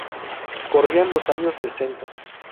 Corrían los años sesenta.